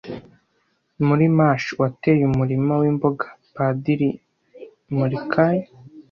Muri MASH wateye umurima wimboga Padiri Mulcahy